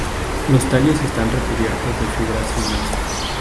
Los tallos están recubiertos de fibras finas.